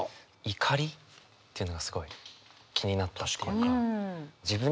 「怒り」っていうのがすごい気になったっていうか。